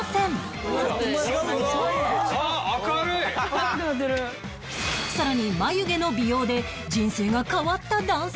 さらに眉毛の美容で人生が変わった男性も